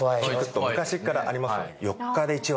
昔からありますよね。